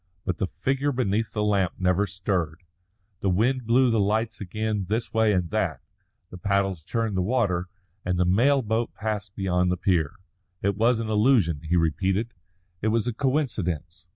But the figure beneath the lamp never stirred. The wind blew the lights again this way and that, the paddles churned the water, the mail boat passed beyond the pier. It was an illusion, he repeated; it was a coincidence.